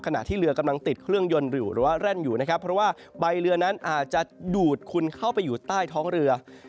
ขณะที่เรือกำลังติดเครื่องยนต์อยู่หรือว่าแร่นอยู่นะครับเพราะว่าใบเรือนั้นอาจจะดูดคุณเข้าไปอยู่ใต้ท้องเรือ